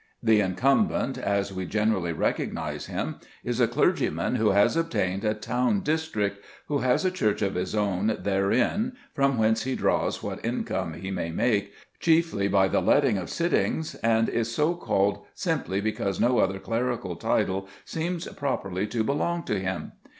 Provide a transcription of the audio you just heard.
The incumbent, as we generally recognize him, is a clergyman who has obtained a town district, who has a church of his own therein from whence he draws what income he may make, chiefly by the letting of sittings, and is so called simply because no other clerical title seems properly to belong to him.